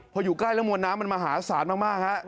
พออยู่ใกล้แล้วมวลน้ำมันมหาศาลมากครับ